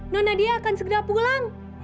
nona dia akan segera pulang